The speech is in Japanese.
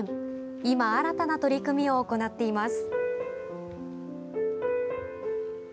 今、新たな取り組みを行っています。